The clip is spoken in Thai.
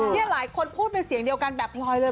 นี่หลายคนพูดเป็นเสียงเดียวกันแบบพลอยเลย